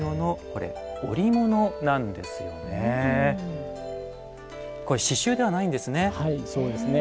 これ刺繍ではないんですね。